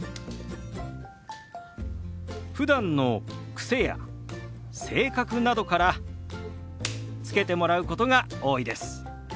ふだんの癖や性格などから付けてもらうことが多いです。